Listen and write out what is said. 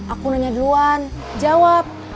aku nanya duluan jawab